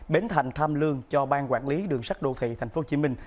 bến thành tham lương cho bang quản lý đường sắt đô thị tp hcm